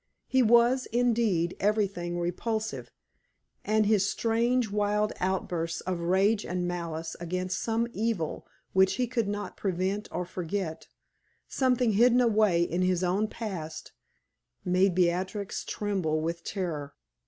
He was, indeed, everything repulsive; and his strange, wild outbursts of rage and malice against some evil which he could not prevent or forget something hidden away in his own past made Beatrix tremble with terror.